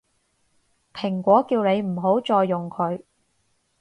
蘋果叫你唔好再用佢